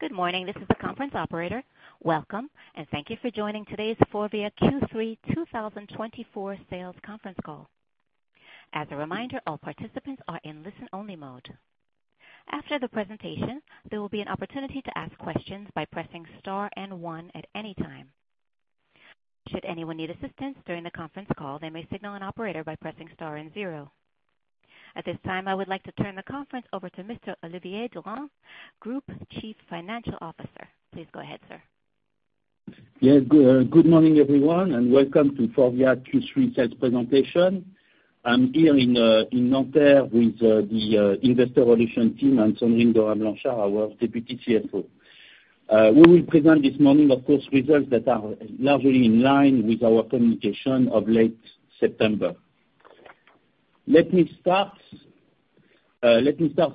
Good morning, this is the conference operator. Welcome, and thank you for joining today's Forvia Q3 2024 sales conference call. As a reminder, all participants are in listen-only mode. After the presentation, there will be an opportunity to ask questions by pressing star and one at any time. Should anyone need assistance during the conference call, they may signal an operator by pressing star and zero. At this time, I would like to turn the conference over to Mr. Olivier Durand, Group Chief Financial Officer. Please go ahead, sir. Yes, good morning, everyone, and welcome to Forvia Q3 sales presentation. I'm here in Nanterre with the investor relations team and Sandrine Dorin-Blanchard, our Deputy CFO. We will present this morning, of course, results that are largely in line with our communication of late September. Let me start,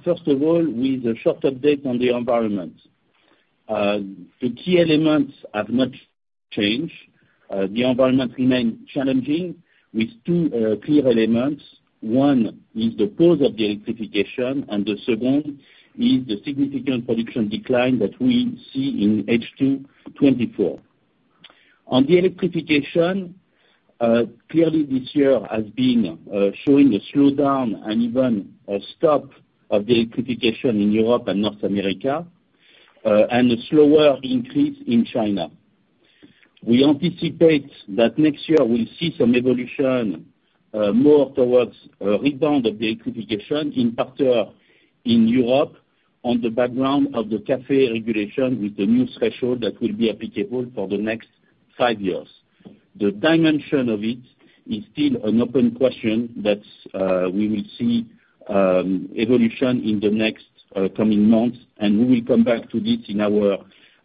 first of all, with a short update on the environment. The key elements have not changed. The environment remains challenging with two clear elements. One is the pause of the electrification, and the second is the significant production decline that we see in H2 '24. On the electrification, clearly this year has been showing a slowdown and even a stop of the electrification in Europe and North America, and a slower increase in China. We anticipate that next year we'll see some evolution, more towards a rebound of the electrification, in particular in Europe, on the background of the CAFE regulation with the new threshold that will be applicable for the next five years. The dimension of it is still an open question that we will see evolution in the next coming months, and we will come back to this in our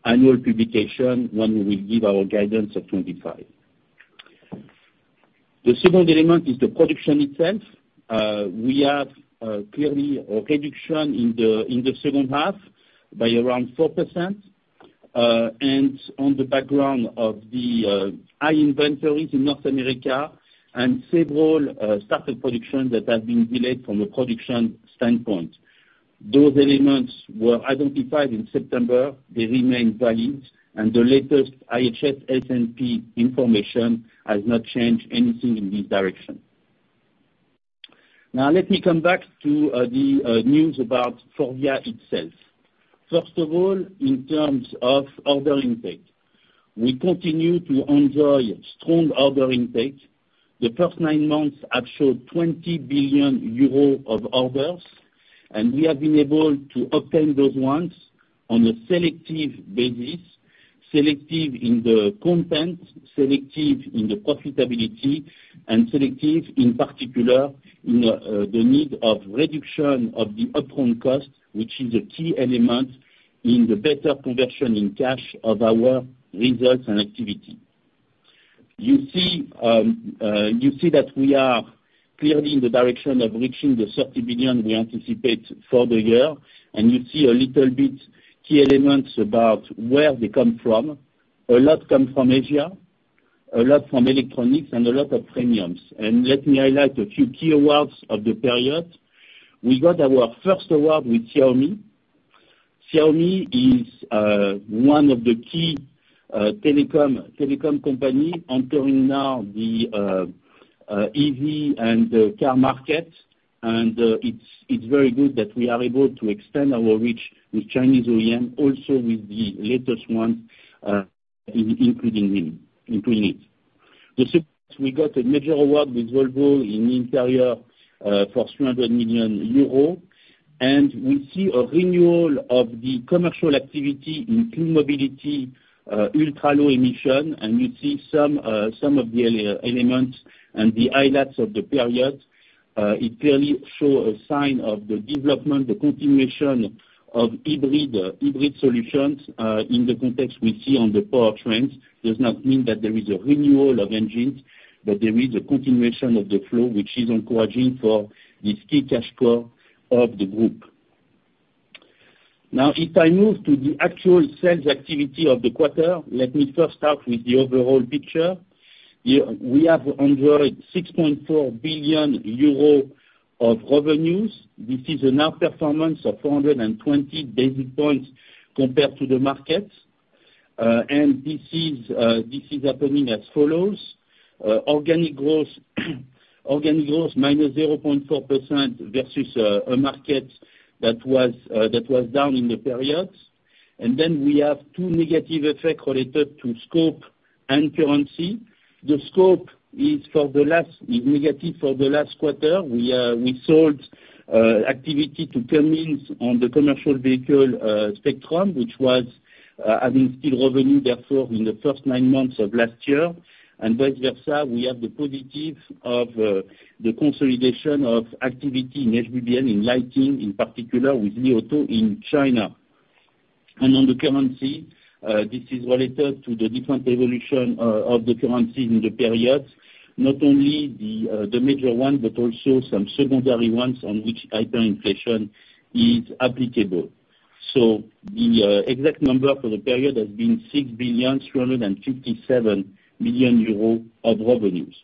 annual publication when we give our guidance of 2025. The second element is the production itself. We have clearly a reduction in the second half by around 4%, and on the background of the high inventories in North America and several starts of production that have been delayed from a production standpoint. Those elements were identified in September. They remain valid, and the latest IHS S&P information has not changed anything in this direction. Now, let me come back to the news about Forvia itself. First of all, in terms of order intake, we continue to enjoy strong order intake. The first nine months have showed 20 billion euros of orders, and we have been able to obtain those ones on a selective basis, selective in the content, selective in the profitability, and selective, in particular, in the need of reduction of the upfront cost, which is a key element in the better conversion in cash of our results and activity. You see, you see that we are clearly in the direction of reaching the 30 billion we anticipate for the year, and you see a little bit key elements about where they come from. A lot come from Asia, a lot from Electronics, and a lot of premiums, and let me highlight a few key awards of the period. We got our first award with Xiaomi. Xiaomi is one of the key telecom company entering now the EV and the car market, and it's very good that we are able to extend our reach with Chinese OEM, also with the latest one, including them, including it. The second, we got a major award with Volvo in interior for 300 million euros, and we see a renewal of the commercial activity in Clean Mobility, ultra-low emission, and we see some of the elements and the highlights of the period. It clearly show a sign of the development, the continuation of hybrid solutions, in the context we see on the powertrains. Does not mean that there is a renewal of engines, but there is a continuation of the flow, which is encouraging for this key cash flow of the group. Now, if I move to the actual sales activity of the quarter, let me first start with the overall picture. Yeah, we have enjoyed 6.4 billion euros of revenues. This is an outperformance of 420 basis points compared to the market, and this is happening as follows: Organic growth -0.4% versus a market that was down in the period, and then we have two negative effect related to scope and currency. The scope is for the last, is negative for the last quarter. We sold activity to Cummins on the commercial vehicle spectrum, which was adding still revenue, therefore, in the first nine months of last year, and vice versa, we have the positive of the consolidation of activity in HELLA, in Lighting, in particular with NIO in China. And on the currency, this is related to the different evolution of the currency in the period, not only the major one, but also some secondary ones on which hyperinflation is applicable. So the exact number for the period has been 6.357 billion of revenues.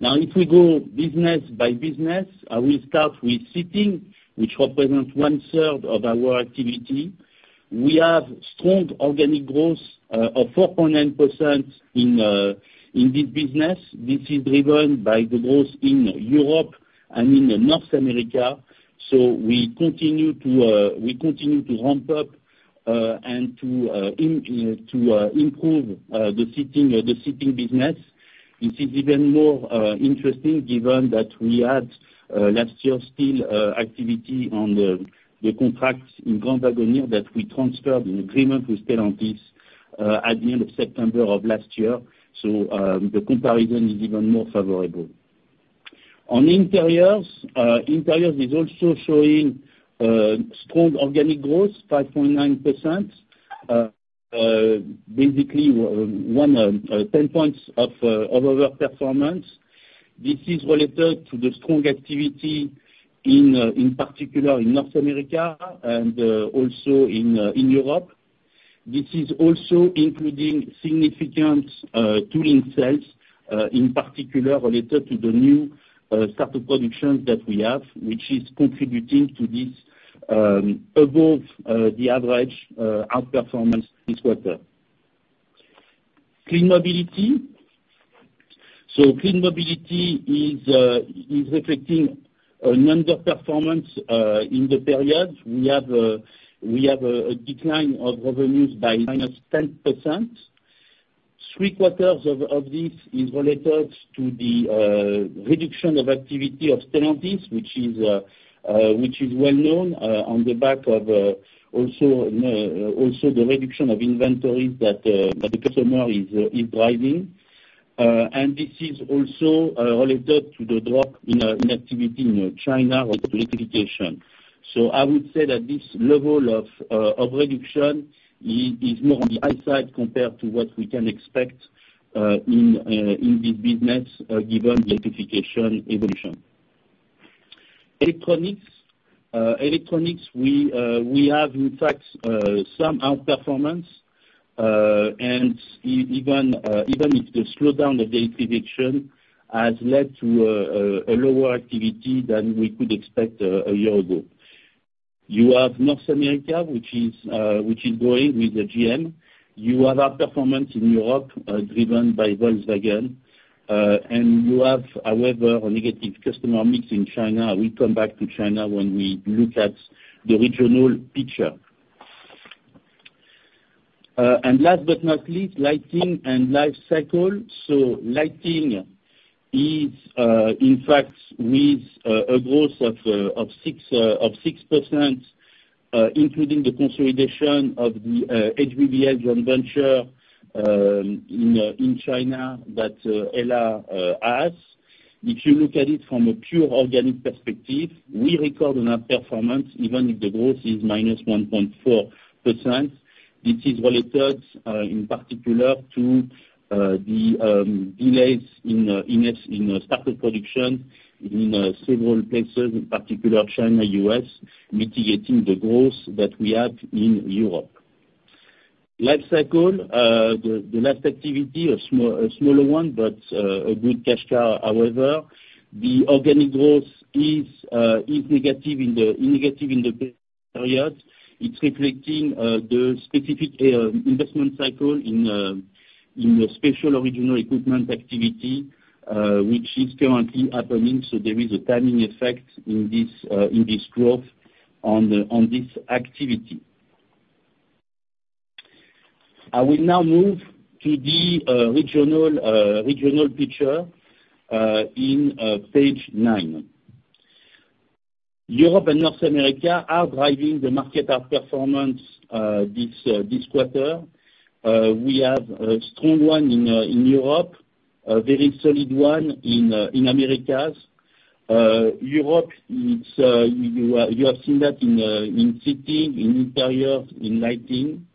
Now, if we go business by business, I will start with Seating, which represents one third of our activity. We have strong organic growth of 4.9% in this business. This is driven by the growth in Europe and in North America, so we continue to ramp up and to improve the Seating business. This is even more interesting given that we had last year still activity on the contracts in Grand Wagoneer that we transferred in agreement with Stellantis at the end of September of last year. The comparison is even more favorable. On Interiors, Interiors is also showing strong organic growth, 5.9%. Basically, 10 points of our performance. This is related to the strong activity in particular in North America and also in Europe. This is also including significant tooling sales in particular related to the new start of production that we have, which is contributing to this above the average outperformance this quarter. Clean Mobility. So Clean Mobility is affecting an underperformance in the period. We have a decline of revenues by -10%. Three quarters of this is related to the reduction of activity of Stellantis, which is well known on the back of also the reduction of inventory that the customer is driving. And this is also related to the drop in activity in China with electrification. So I would say that this level of reduction is more on the high side compared to what we can expect in this business, given the electrification evolution. Electronics. Electronics, we have, in fact, some outperformance, and even if the slowdown of the production has led to a lower activity than we could expect a year ago. You have North America, which is growing with the GM. You have outperformance in Europe, driven by Volkswagen, and you have, however, a negative customer mix in China. We come back to China when we look at the regional picture. And last but not least, lighting and life cycle. So lighting is, in fact, with a growth of 6%, including the consolidation of the HBBL joint venture in China that HELLA has. If you look at it from a pure organic perspective, we record an outperformance, even if the growth is -1.4%. This is related, in particular to the delays in start of production in several places, in particular China, US, mitigating the growth that we have in Europe. Lifecycle, the last activity, a smaller one, but a good cash cow, however. The organic growth is negative in the period. It's reflecting the specific investment cycle in the Special Original Equipment activity, which is currently happening, so there is a timing effect in this growth on this activity. I will now move to the regional picture in page nine. Europe and North America are driving the market outperformance this quarter. We have a strong one in Europe, a very solid one in Americas. Europe, it's you have seen that in Seating, in Interior, in lighting.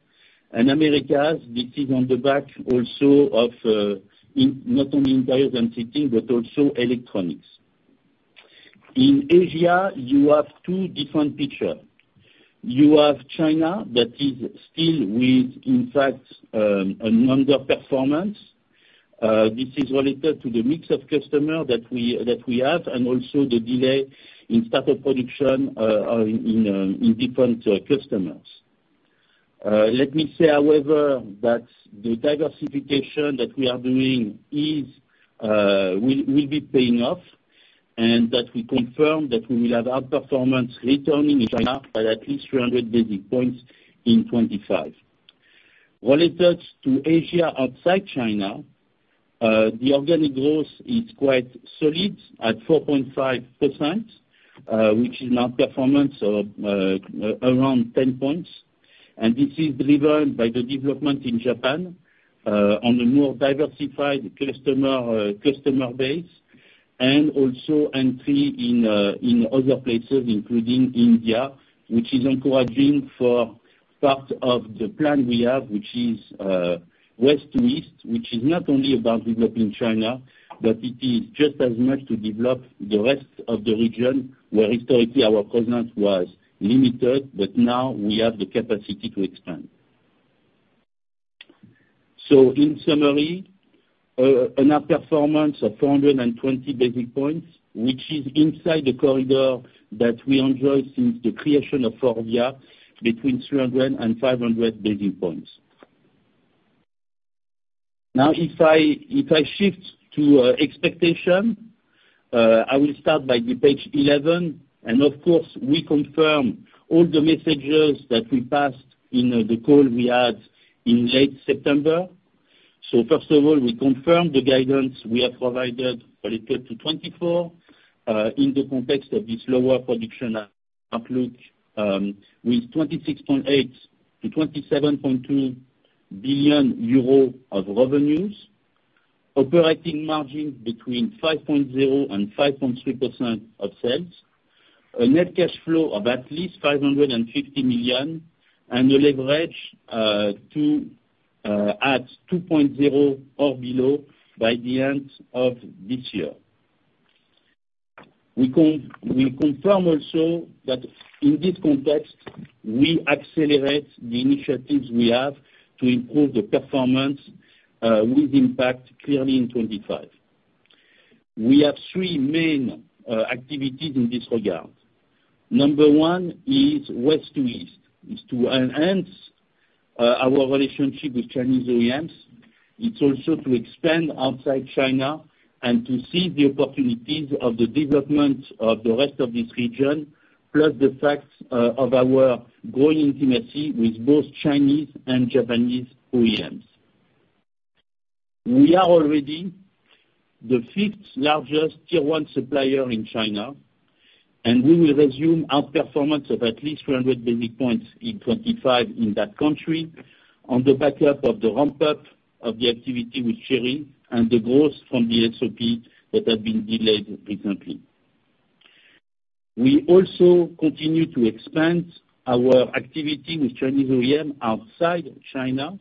And Americas, this is on the back also of in, not only Interiors and Seating, but also Electronics. In Asia, you have two different picture. You have China, that is still with, in fact, an underperformance. This is related to the mix of customer that we have, and also the delay in start of production in different customers. Let me say, however, that the diversification that we are doing will be paying off, and that we confirm that we will have outperformance returning in China by at least three hundred basis points in 2025. Related to Asia outside China, the organic growth is quite solid at 4.5%, which is outperformance of around ten points. This is driven by the development in Japan, on a more diversified customer base, and also entry in other places, including India, which is encouraging for part of the plan we have, which is West to East, which is not only about developing China, but it is just as much to develop the rest of the region, where historically our presence was limited, but now we have the capacity to expand. In summary, an outperformance of four hundred and twenty basis points, which is inside the corridor that we enjoy since the creation of Forvia, between three hundred and five hundred basis points. Now, if I shift to expectation, I will start by the page eleven, and of course, we confirm all the messages that we passed in the call we had in late September. So first of all, we confirm the guidance we have provided related to 2024, in the context of this lower production outlook, with 26.8 billion-27.2 billion euro of revenues, operating margin between 5.0% and 5.3% of sales, a net cash flow of at least 550 million, and a leverage at 2.0 or below by the end of this year. We confirm also that in this context, we accelerate the initiatives we have to improve the performance, with impact clearly in 2025. We have three main activities in this regard. Number one is West to East, is to enhance our relationship with Chinese OEMs. It's also to expand outside China and to seize the opportunities of the development of the rest of this region, plus the facts of our growing intimacy with both Chinese and Japanese OEMs. We are already the fifth largest tier one supplier in China, and we will resume outperformance of at least three hundred basis points in 2025 in that country on the back of the ramp-up of the activity with Chery and the growth from the SOP that had been delayed recently. We also continue to expand our activity with Chinese OEM outside China.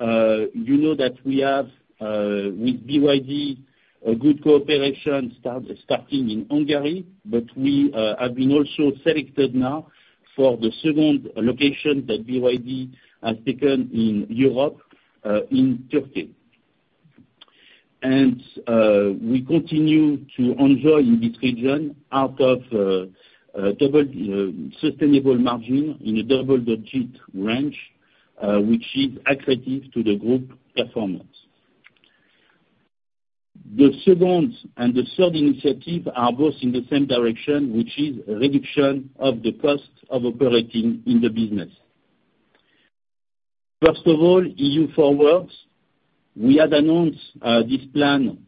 You know that we have with BYD a good cooperation starting in Hungary, but we have been also selected now for the second location that BYD has taken in Europe, in Turkey. We continue to enjoy in this region out of double sustainable margin in a double-digit range, which is accretive to the group performance. The second and the third initiative are both in the same direction, which is reduction of the cost of operating in the business. First of all, EU-FORWARD. We had announced this plan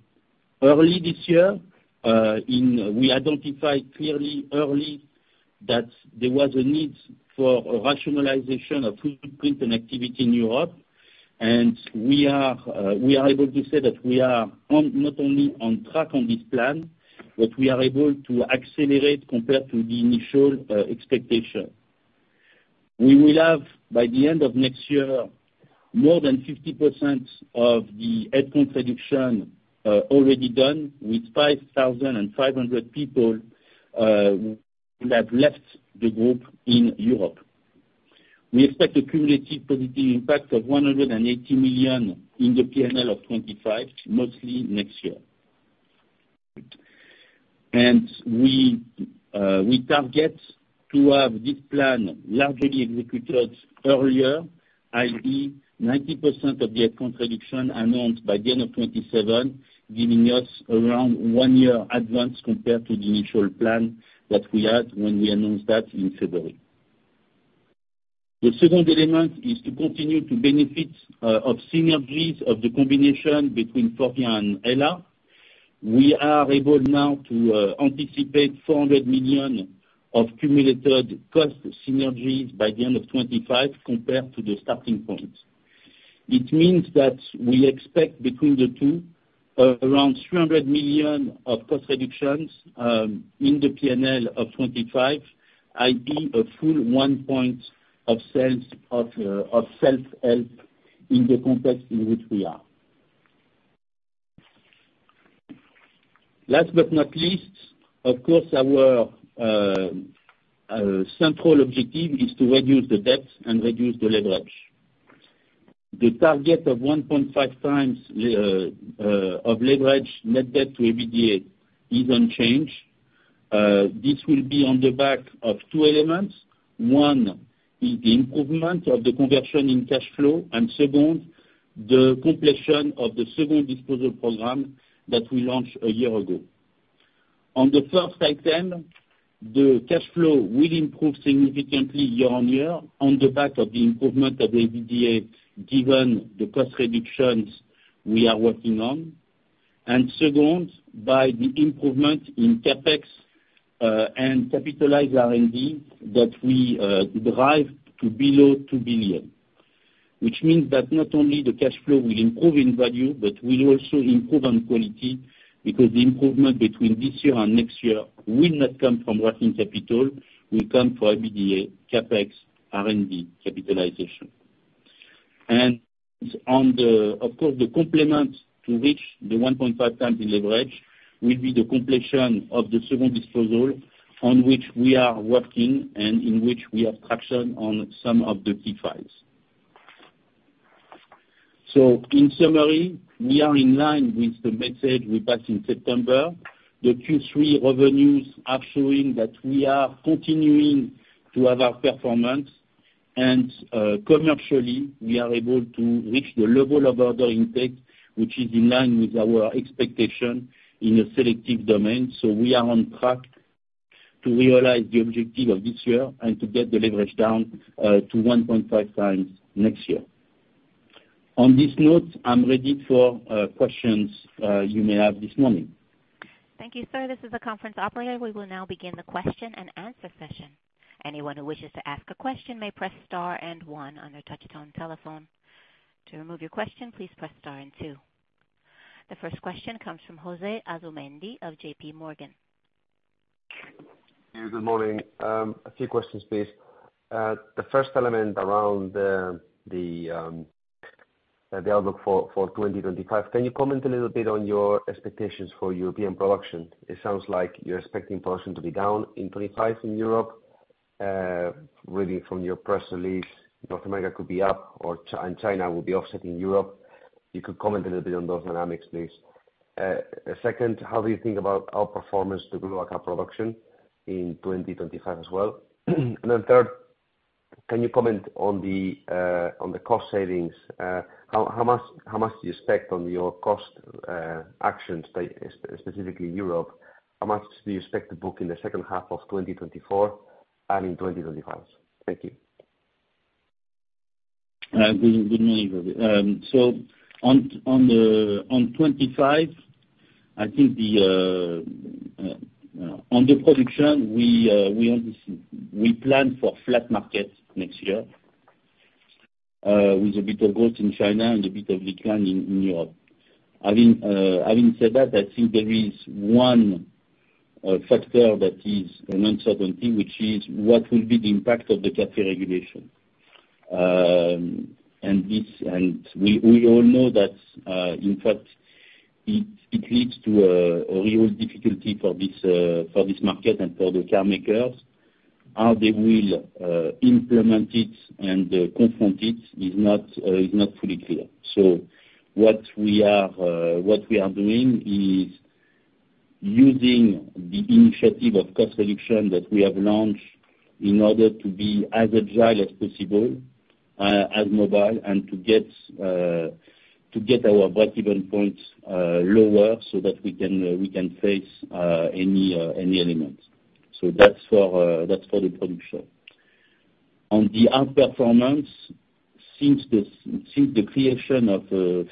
early this year. We identified clearly early that there was a need for rationalization of footprint and activity in Europe, and we are able to say that we are on, not only on track on this plan, but we are able to accelerate compared to the initial expectation. We will have, by the end of next year, more than 50% of the headcount reduction already done, with 5,500 people will have left the group in Europe. We expect a cumulative positive impact of 180 million in the P&L of 2025, mostly next year. We target to have this plan largely executed earlier, i.e., 90% of the headcount reduction announced by the end of 2027, giving us around one-year advance compared to the initial plan that we had when we announced that in February. The second element is to continue to benefit of synergies of the combination between Forvia and HELLA. We are able now to anticipate 400 million of cumulative cost synergies by the end of 2025 compared to the starting point. It means that we expect between the two, around 300 million of cost reductions, in the P&L of 2025, i.e., a full 1% of sales of self-help in the context in which we are. Last but not least, of course, our central objective is to reduce the debt and reduce the leverage. The target of 1.5 times of leverage, net debt to EBITDA, is unchanged. This will be on the back of two elements. One is the improvement of the conversion in cash flow, and second, the completion of the second disposal program that we launched a year ago. On the first item, the cash flow will improve significantly year-on-year on the back of the improvement of the EBITDA, given the cost reductions we are working on. And second, by the improvement in CapEx and capitalized R&D that we drive to below two billion. Which means that not only the cash flow will improve in value, but will also improve on quality, because the improvement between this year and next year will not come from working capital, will come from EBITDA, CapEx, R&D capitalization. And on the, of course, the complement to which the one point five times the leverage will be the completion of the second disposal on which we are working and in which we have traction on some of the key files. So in summary, we are in line with the message we passed in September. The Q3 revenues are showing that we are continuing to have our performance, and commercially, we are able to reach the level of order intake, which is in line with our expectation in a selective domain. We are on track to realize the objective of this year and to get the leverage down to 1.5 times next year. On this note, I'm ready for questions, you may have this morning. Thank you, sir. This is the conference operator. We will now begin the question and answer session. Anyone who wishes to ask a question may press star and one on their touchtone telephone. To remove your question, please press star and two. The first question comes from José Asumendi of JPMorgan. Good morning. A few questions, please. The first element around the outlook for 2025. Can you comment a little bit on your expectations for European production? It sounds like you're expecting production to be down in 2025 in Europe. Reading from your press release, North America could be up or China and China will be offsetting Europe. If you could comment a little bit on those dynamics, please. Second, how do you think about our performance to grow our car production in 2025 as well? And then third, can you comment on the cost savings? How much do you expect on your cost actions, specifically Europe, how much do you expect to book in the second half of 2024 and in 2025? Thank you. Good morning, Jose. So on twenty-five, I think the, on the production, we plan for flat markets next year, with a bit of growth in China and a bit of decline in Europe. Having said that, I think there is one factor that is an uncertainty, which is what will be the impact of the CAFE regulation. And we all know that, in fact, it leads to a real difficulty for this market and for the car makers. How they will implement it and confront it is not fully clear. What we are doing is using the initiative of cost reduction that we have launched in order to be as agile as possible, as mobile, and to get our breakeven points lower so that we can face any elements. That's for the production. On the outperformance, since the creation of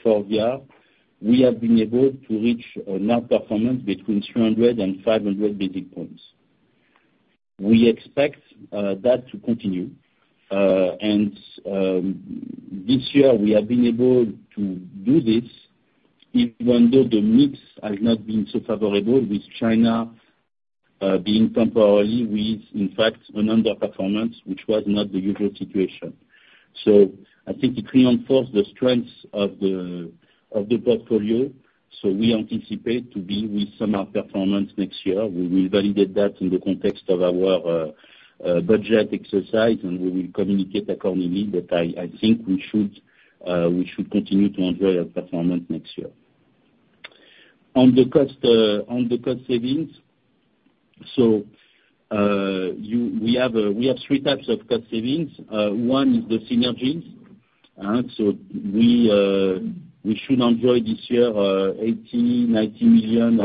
Forvia, we have been able to reach an outperformance between 300 and 500 basis points. We expect that to continue. And this year we have been able to do this even though the mix has not been so favorable, with China being temporarily with, in fact, an underperformance, which was not the usual situation. So I think it reinforces the strength of the portfolio. So we anticipate to be with some outperformance next year. We will validate that in the context of our budget exercise, and we will communicate accordingly. But I think we should continue to enjoy our performance next year. On the cost savings, so we have three types of cost savings. One is the synergies, so we should enjoy this year 80-90 million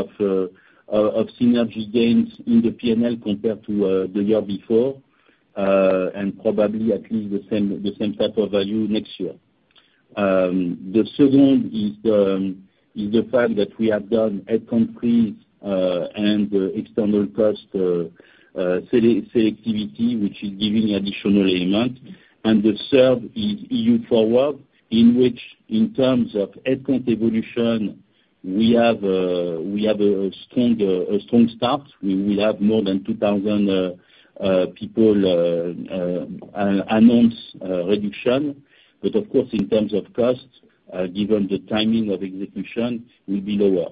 of synergy gains in the P&L compared to the year before, and probably at least the same type of value next year. The second is the fact that we have done head count freeze and external cost selectivity, which is giving additional amount. The third is EU-FORWARD, in which, in terms of head count evolution, we have a strong start. We will have more than 2,000 people announced reduction. But of course, in terms of costs, given the timing of execution, will be lower.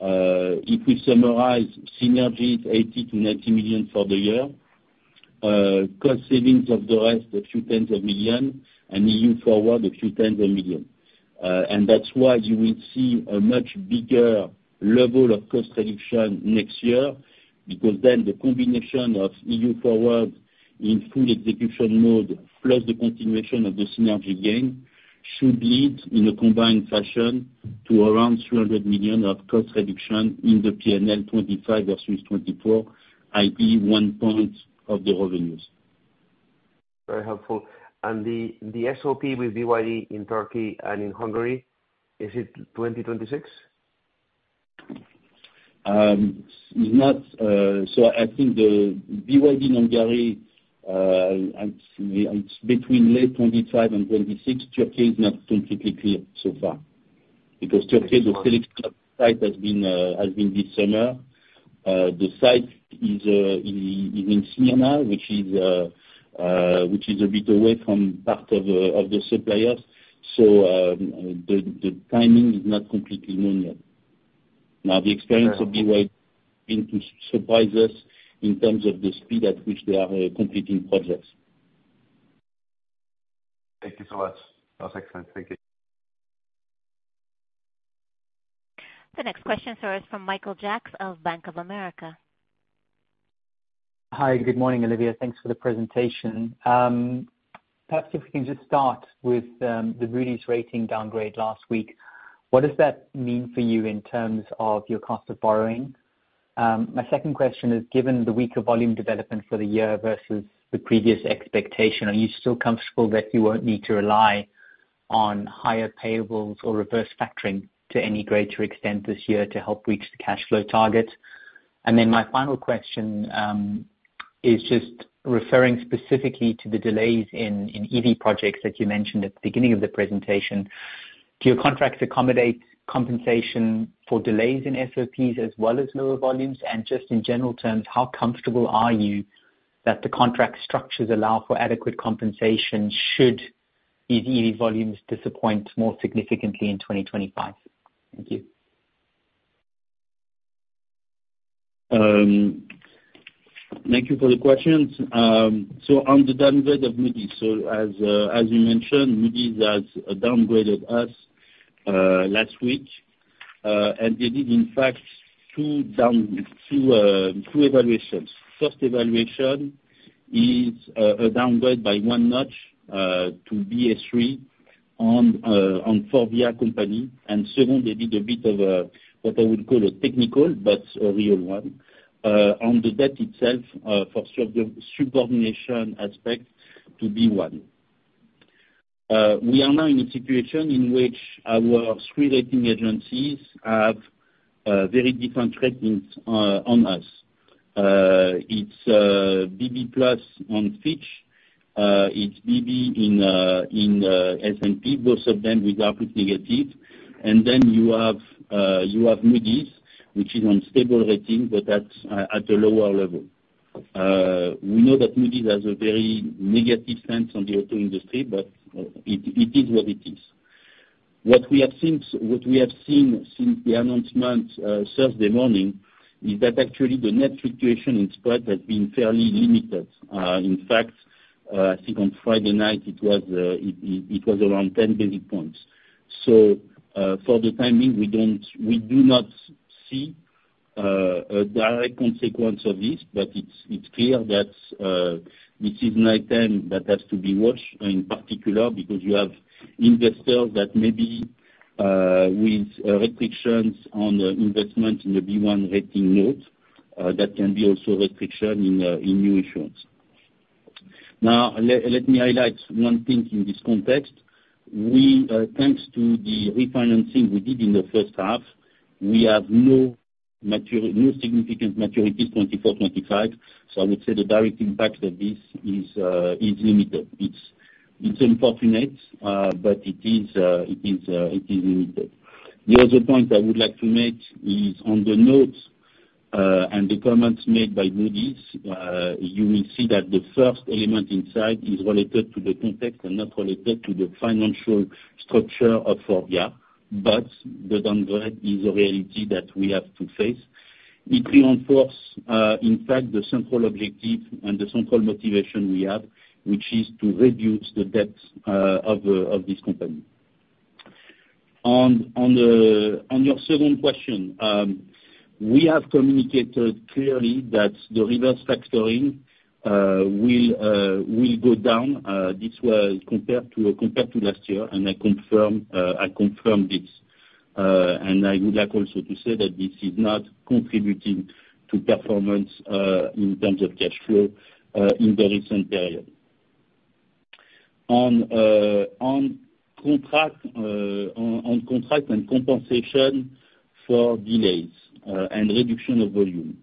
If we summarize synergies, 80-90 million for the year, cost savings of the rest, a few tens of million, and EU-FORWARD, a few tens of million. That is why you will see a much bigger level of cost reduction next year, because then the combination of EU-FORWARD in full execution mode, plus the continuation of the synergy gain, should lead, in a combined fashion, to around 300 million of cost reduction in the P&L 2025 versus 2024, i.e., 1% of the revenues. Very helpful. And the SOP with BYD in Turkey and in Hungary, is it 2026? It's not, so I think the BYD Hungary, it's between late 2025 and 2026. Turkey is not completely clear so far, because Turkey, the electric site has been this summer. The site is in Smyrna, which is a bit away from part of the suppliers. So, the timing is not completely known yet... Now, the experience of BYD been to surprise us in terms of the speed at which they are completing projects. Thank you so much. That was excellent. Thank you. The next question, sir, is from Michael Jacks of Bank of America. Hi, good morning, Olivier. Thanks for the presentation. Perhaps if we can just start with the Moody's rating downgrade last week. What does that mean for you in terms of your cost of borrowing? My second question is, given the weaker volume development for the year versus the previous expectation, are you still comfortable that you won't need to rely on higher payables or reverse factoring to any greater extent this year to help reach the cash flow target? And then my final question is just referring specifically to the delays in EV projects that you mentioned at the beginning of the presentation. Do your contracts accommodate compensation for delays in SOPs as well as lower volumes? And just in general terms, how comfortable are you that the contract structures allow for adequate compensation, should these EV volumes disappoint more significantly in twenty twenty-five? Thank you. Thank you for the questions. So on the downgrade of Moody's, so as you mentioned, Moody's has downgraded us last week, and they did, in fact, two evaluations. First evaluation is a downgrade by one notch to B3 on Forvia company. And second, they did a bit of a, what I would call a technical, but a real one, on the debt itself, for subordination aspect to B1. We are now in a situation in which our three rating agencies have very different ratings on us. It's BB plus on Fitch, it's BB on S&P, both of them with outlook negative. And then you have Moody's, which is on stable rating, but at a lower level. We know that Moody's has a very negative stance on the auto industry, but it is what it is. What we have seen since the announcement Thursday morning is that actually the net fluctuation in spread has been fairly limited. In fact, I think on Friday night it was around ten basis points. So for the timing, we do not see a direct consequence of this, but it's clear that this is an item that has to be watched, in particular, because you have investors that maybe with restrictions on investment in the B1 rating note that can be also a restriction in new issuance. Now let me highlight one thing in this context. We, thanks to the refinancing we did in the first half, we have no maturity, no significant maturities 2024, 2025, so I would say the direct impact of this is, is limited. It's, it's unfortunate, but it is, it is, it is limited. The other point I would like to make is on the notes, and the comments made by Moody's, you will see that the first element inside is related to the context and not related to the financial structure of Faurecia, but the downgrade is a reality that we have to face. It reinforce, in fact, the central objective and the central motivation we have, which is to reduce the debt, of, of this company. On your second question, we have communicated clearly that the reverse factoring, will go down. This was compared to last year, and I confirm this. And I would like also to say that this is not contributing to performance in terms of cash flow in the recent period. On contract and compensation for delays and reduction of volume,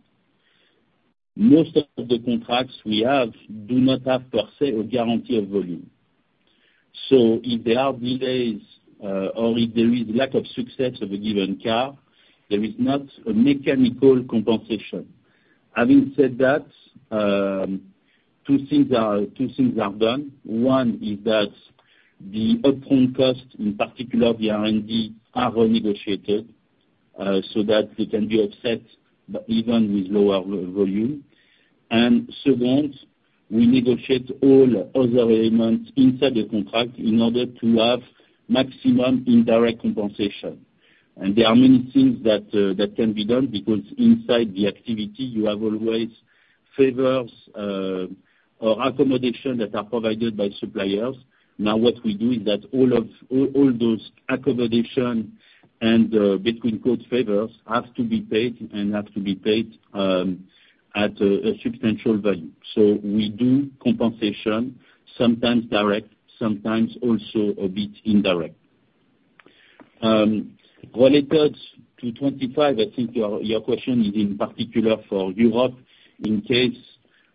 most of the contracts we have do not have per se a guarantee of volume. So if there are delays or if there is lack of success of a given car, there is not a mechanical compensation. Having said that, two things are done. One is that the upfront costs, in particular the R&D, are renegotiated so that they can be offset, but even with lower volume. And second, we negotiate all other elements inside the contract in order to have maximum indirect compensation. There are many things that can be done, because inside the activity, you have always favors or accommodations that are provided by suppliers. Now, what we do is that all of those accommodations and, in quotes, "favors," have to be paid at a substantial value. We do compensation, sometimes direct, sometimes also a bit indirect. Related to 2025, I think your question is in particular for Europe, in case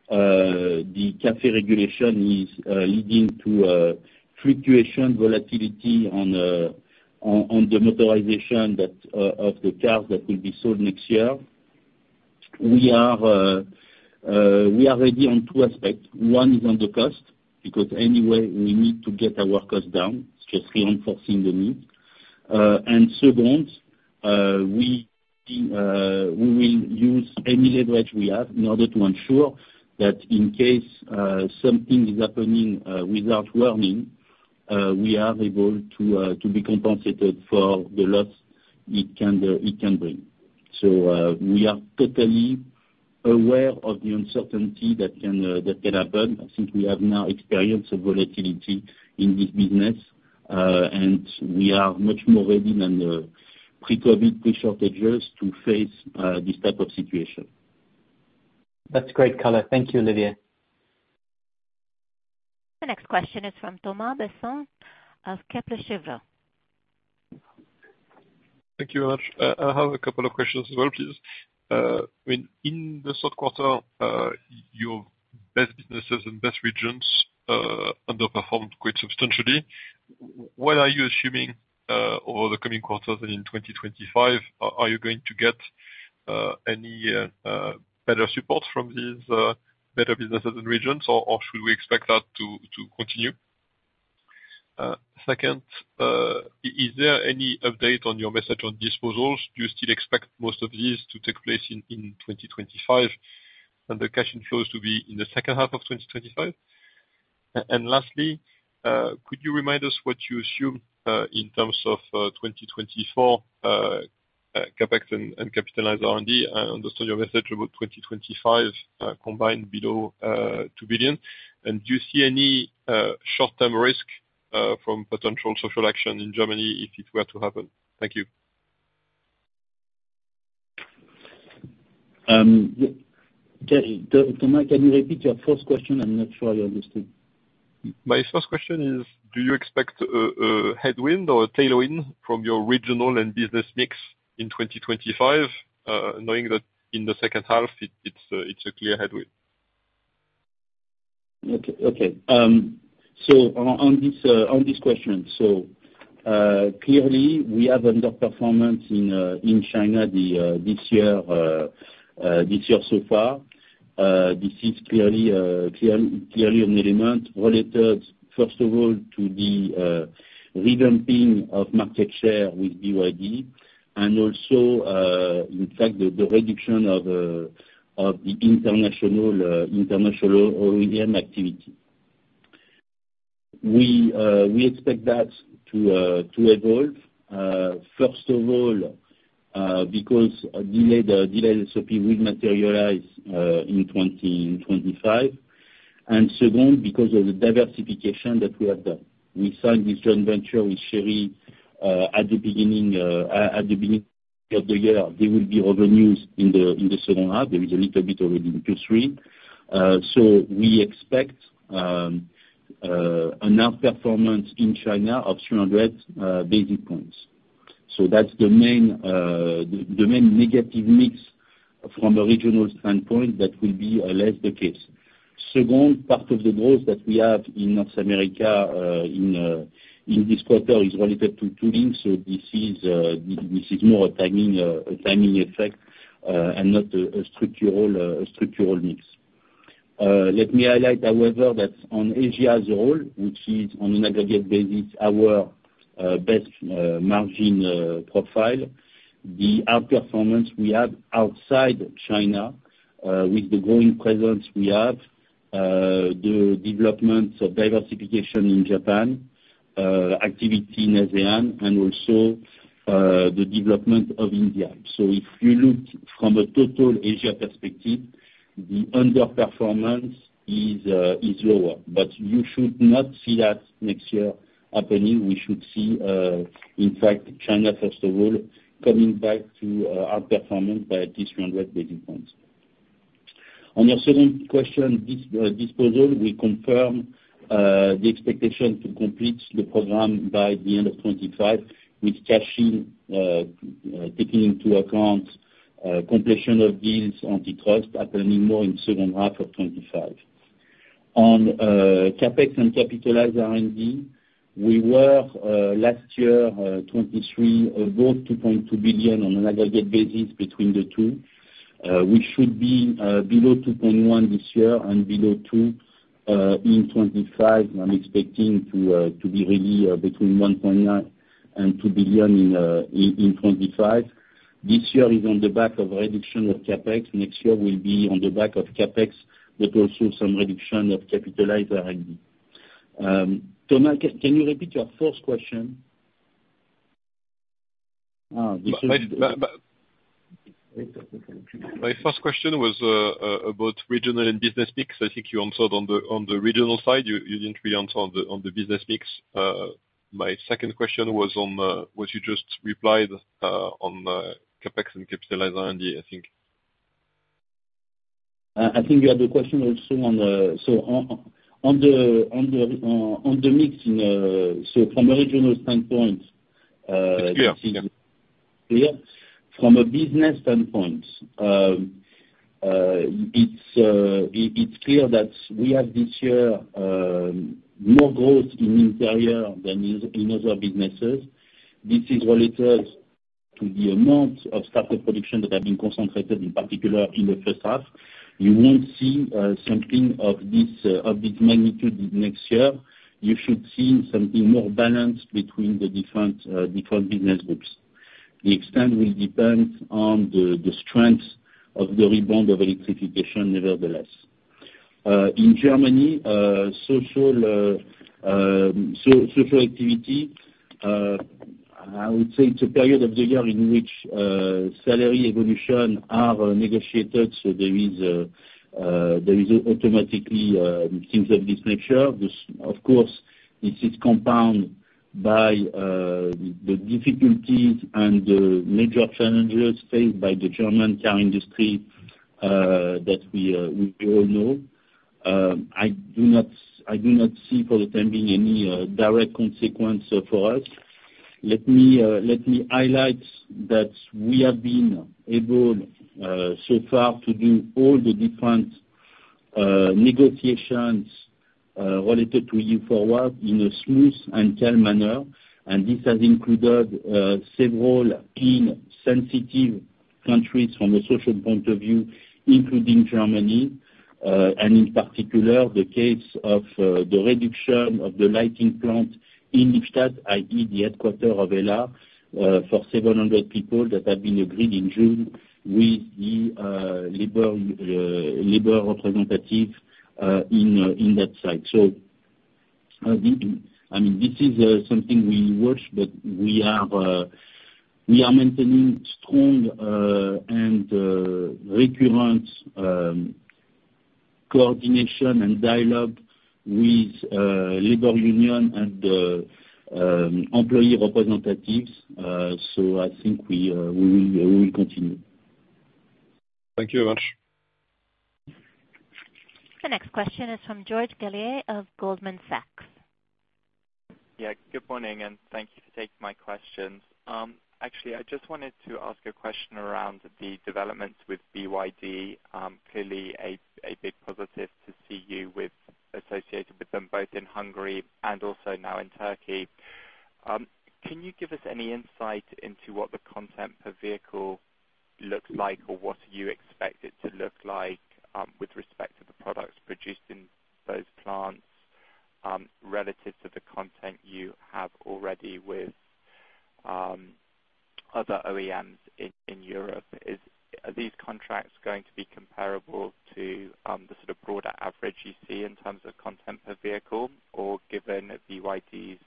the CAFE regulation is leading to fluctuation, volatility on the motorization of the cars that will be sold next year. We are ready on two aspects. One is on the cost, because anyway, we need to get our costs down, it's just reinforcing the need. And second, we will use any leverage we have in order to ensure that in case something is happening without warning, we are able to be compensated for the loss it can bring. So, we are totally aware of the uncertainty that can happen. I think we have now experience of volatility in this business, and we are much more ready than the pre-COVID, pre-shortages to face this type of situation. That's great color. Thank you, Olivier. The next question is from Thomas Besson of Kepler Cheuvreux. Thank you very much. I have a couple of questions as well, please. When in the third quarter, your best businesses and best regions underperformed quite substantially. What are you assuming over the coming quarters and in 2025? Are you going to get any better support from these better businesses and regions, or should we expect that to continue? Second, is there any update on your message on disposals? Do you still expect most of these to take place in 2025, and the cash inflows to be in the second half of 2025? And lastly, could you remind us what you assume in terms of 2024 CapEx and capitalized R&D? I understand your message about 2025, combined below two billion. And do you see any short-term risk from potential social action in Germany, if it were to happen? Thank you. Yeah, Thomas, can you repeat your first question? I'm not sure I understood. My first question is, do you expect a headwind or a tailwind from your regional and business mix in twenty twenty-five, knowing that in the second half, it's a clear headwind? Okay, okay. So on this question, so clearly, we have underperformance in China this year so far. This is clearly an element related, first of all, to the revamping of market share with BYD. And also, in fact, the reduction of the international OEM activity. We expect that to evolve, first of all, because a delayed SOP will materialize in twenty twenty-five. And second, because of the diversification that we have done. We signed this joint venture with Chery at the beginning of the year. There will be other news in the second half. There is a little bit already in Q3. So we expect an outperformance in China of 300 basis points. So that's the main negative mix from a regional standpoint, that will be less the case. Second part of the growth that we have in North America, in this quarter, is related to tooling. So this is more a timing effect, and not a structural mix. Let me highlight, however, that on Asia as a whole, which is on an aggregate basis, our best margin profile. The outperformance we have outside China, with the growing presence we have, the development of diversification in Japan, activity in ASEAN and also, the development of India. If you look from a total Asia perspective, the underperformance is lower, but you should not see that next year happening. We should see, in fact, China, first of all, coming back to outperforming by 300 basis points. On your second question, disposal, we confirm the expectation to complete the program by the end of 2025, with cash in, taking into account completion of deals, antitrust, happening more in second half of 2025. On CapEx and capitalized R&D, we were last year, 2023, above 2.2 billion on an aggregate basis between the two. We should be below 2.1 billion this year and below 2 billion in 2025. I'm expecting to be really between 1.9 billion and 2 billion in 2025. This year is on the back of a reduction of CapEx. Next year will be on the back of CapEx, but also some reduction of capitalized R&D. Thomas, can you repeat your first question? My, but- Wait a second. My first question was about regional and business mix. I think you answered on the regional side. You didn't really answer on the business mix. My second question was on what you just replied on CapEx and capitalized R&D, I think. I think you have a question also on the mix in. From a regional standpoint. Yeah. Yeah. From a business standpoint, it's clear that we have this year more growth in interior than in other businesses. This is related to the amount of startup production that have been concentrated, in particular, in the first half. You won't see something of this magnitude next year. You should see something more balanced between the different business groups. The extent will depend on the strength of the rebound of electrification nevertheless. In Germany, social activity, I would say it's a period of the year in which salary evolution are negotiated, so there is automatically things of this nature. This, of course, this is compounded by the difficulties and the major challenges faced by the German car industry that we all know. I do not see for the time being any direct consequence for us. Let me highlight that we have been able so far to do all the different negotiations related to Forvia while in a smooth and calm manner, and this has included several key sensitive countries from a social point of view, including Germany. And in particular, the case of the reduction of the lighting plant in Lippstadt, i.e., the headquarters of HELLA for seven hundred people that have been agreed in June with the labor representative in that site. I mean, this is something we watch, but we are maintaining strong and recurrent coordination and dialogue with labor union and employee representatives. I think we will continue. Thank you very much. The next question is from George Galliers of Goldman Sachs. Yeah, good morning, and thank you for taking my questions. Actually, I just wanted to ask a question around the developments with BYD. Clearly a big positive to see you associated with them, both in Hungary and also now in Turkey. Can you give us any insight into what the content per vehicle looks like, or what you expect it to look like, with respect to the products produced in those plants, relative to the content you have already with other OEMs in Europe? Are these contracts going to be comparable to the sort of broader average you see in terms of content per vehicle? Or given BYD's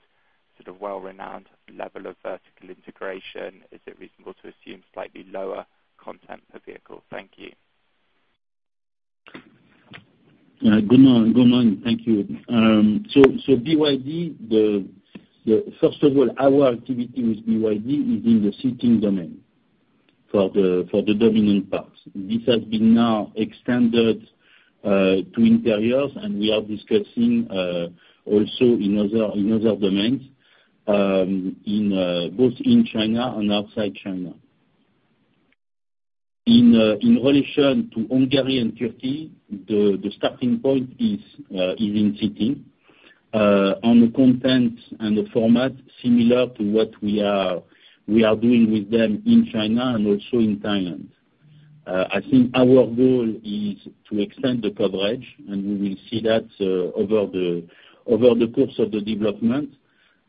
sort of well-renowned level of vertical integration, is it reasonable to assume slightly lower content per vehicle? Thank you. Good morning, good morning. Thank you. So BYD, the first of all, our activity with BYD is in the Seating domain for the dominant parts. This has been now extended to Interiors, and we are discussing also in other domains in both China and outside China. In relation to Hungary and Turkey, the starting point is in Seating. On the content and the format, similar to what we are doing with them in China and also in Thailand. I think our goal is to extend the coverage, and we will see that over the course of the development.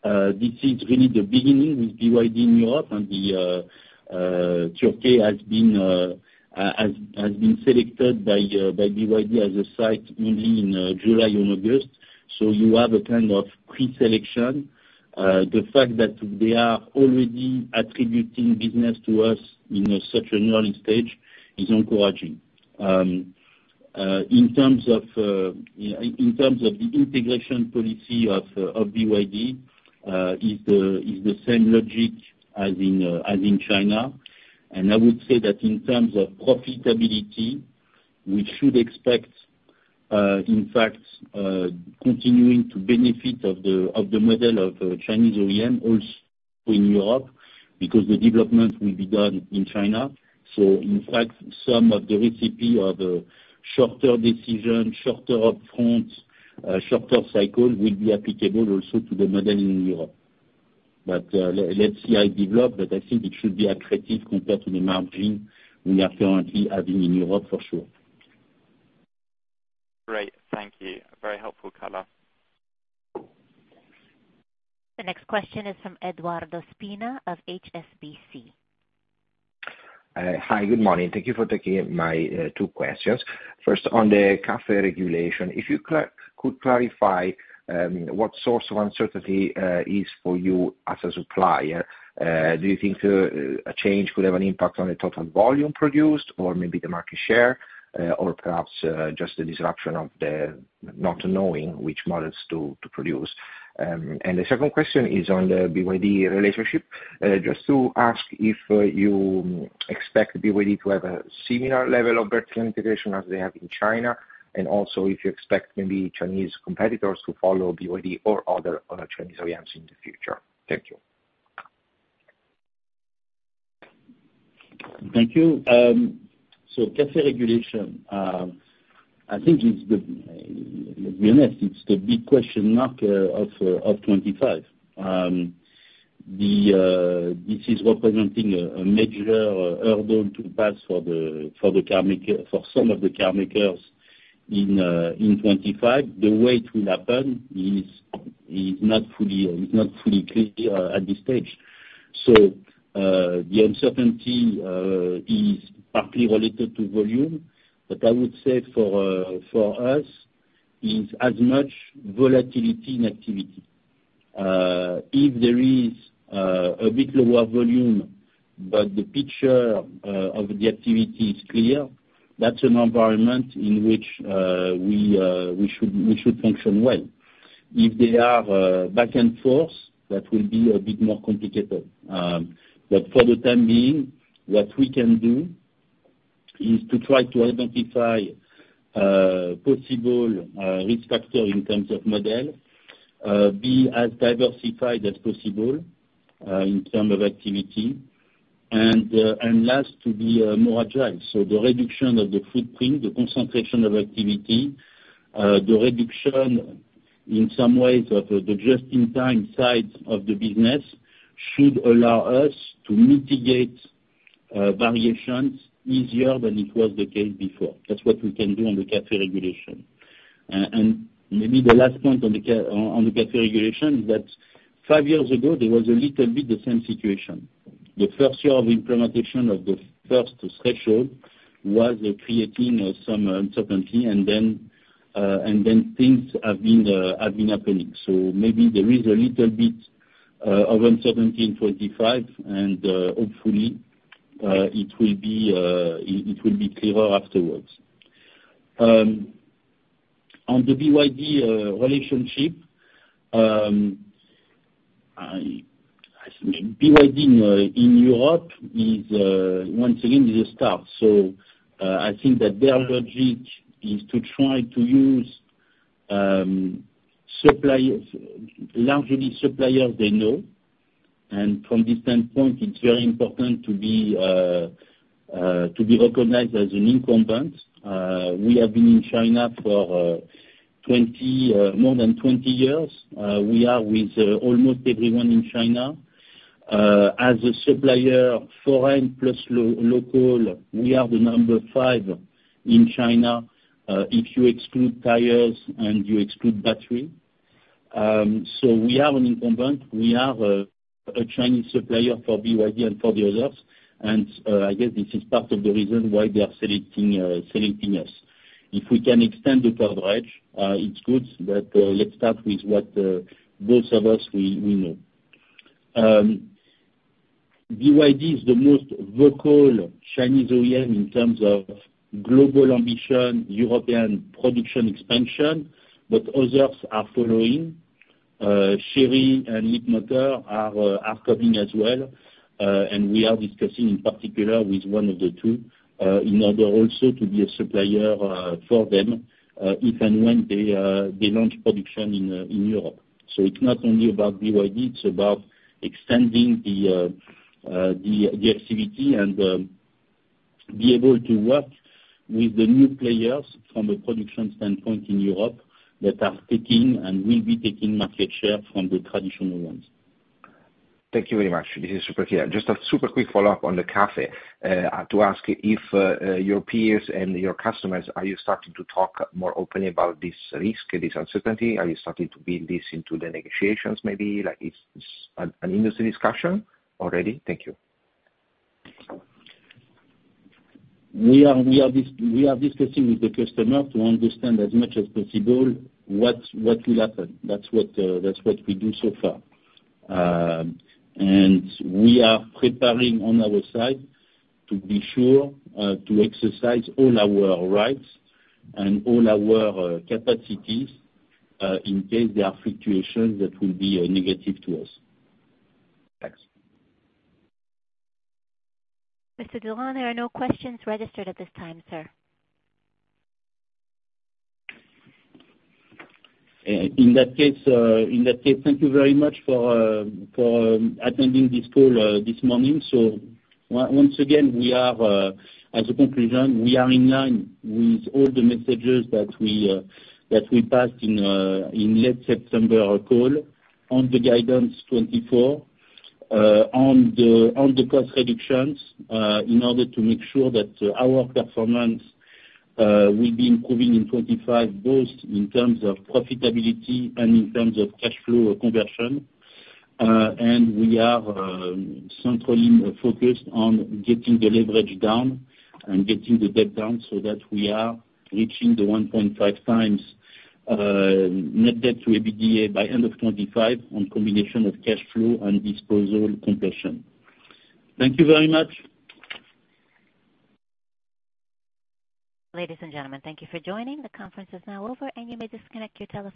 This is really the beginning with BYD in Europe, and Turkey has been selected by BYD as a site only in July and August. So you have a kind of pre-selection. The fact that they are already attributing business to us in a such an early stage is encouraging. In terms of the integration policy of BYD is the same logic as in China. And I would say that in terms of profitability, we should expect, in fact, continuing to benefit of the model of Chinese OEM also in Europe, because the development will be done in China. In fact, some of the recipe of a shorter decision, shorter up-front, shorter cycle will be applicable also to the model in Europe. But, let's see how it develop, but I think it should be attractive compared to the margin we are currently having in Europe, for sure. Great! Thank you. Very helpful color. The next question is from Edoardo Spina of HSBC. Hi, good morning. Thank you for taking my two questions. First, on the CAFE regulation, if you could clarify what source of uncertainty is for you as a supplier? Do you think a change could have an impact on the total volume produced, or maybe the market share, or perhaps just the disruption of the not knowing which models to produce? And the second question is on the BYD relationship. Just to ask if you expect BYD to have a similar level of vertical integration as they have in China, and also if you expect maybe Chinese competitors to follow BYD or other Chinese OEMs in the future? Thank you.... Thank you. So CAFE regulation, I think it's the, to be honest, it's the big question mark of 2025. This is representing a major hurdle to pass for the car maker, for some of the car makers in 2025. The way it will happen is not fully clear at this stage. So the uncertainty is partly related to volume, but I would say for us, is as much volatility in activity. If there is a bit lower volume, but the picture of the activity is clear, that's an environment in which we should function well. If they are back and forth, that will be a bit more complicated. But for the time being, what we can do is to try to identify possible risk factor in terms of model be as diversified as possible in term of activity, and last to be more agile. So the reduction of the footprint, the concentration of activity, the reduction in some ways of the just-in-time side of the business, should allow us to mitigate variations easier than it was the case before. That's what we can do on the CAFE regulation. And maybe the last point on the CAFE regulation is that five years ago there was a little bit the same situation. The first year of implementation of the first threshold was creating some uncertainty, and then things have been happening. So maybe there is a little bit of uncertainty in 2025, and hopefully it will be clearer afterwards. On the BYD relationship, I think BYD in Europe is once again a start. So I think that their logic is to try to use suppliers, largely suppliers they know, and from this standpoint, it's very important to be recognized as an incumbent. We have been in China for more than 20 years. We are with almost everyone in China. As a supplier, foreign plus local, we are the number five in China, if you exclude tires and you exclude battery. So we are an incumbent. We are a Chinese supplier for BYD and for the others, and I guess this is part of the reason why they are selecting us. If we can extend the coverage, it's good, but let's start with what both of us know. BYD is the most vocal Chinese OEM in terms of global ambition, European production expansion, but others are following. Chery and Leapmotor are coming as well, and we are discussing in particular with one of the two, in order also to be a supplier for them, if and when they launch production in Europe. So it's not only about BYD, it's about extending the activity and be able to work with the new players from a production standpoint in Europe, that are taking and will be taking market share from the traditional ones. Thank you very much. This is super clear. Just a super quick follow-up on the CAFE, to ask if your peers and your customers, are you starting to talk more openly about this risk, this uncertainty? Are you starting to build this into the negotiations, maybe, like, it's an industry discussion already? Thank you. We are discussing with the customer to understand as much as possible what will happen. That's what we do so far. And we are preparing on our side to be sure to exercise all our rights and all our capacities in case there are fluctuations that will be negative to us. Thanks. Mr. Durand, there are no questions registered at this time, sir. In that case, thank you very much for attending this call this morning, so once again, we are, as a conclusion, we are in line with all the messages that we passed in late September call on the guidance 2024, on the cost reductions, in order to make sure that our performance will be improving in 2025, both in terms of profitability and in terms of cash flow conversion, and we are centrally focused on getting the leverage down and getting the debt down so that we are reaching the one point five times net debt to EBITDA by end of 2025 on combination of cash flow and disposal compression. Thank you very much. Ladies and gentlemen, thank you for joining. The conference is now over, and you may disconnect your telephones.